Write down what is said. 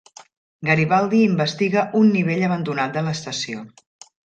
Garibaldi investiga un nivell abandonat de l'estació.